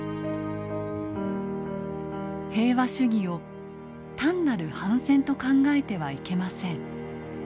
「平和主義をたんなる反戦と考えてはいけません。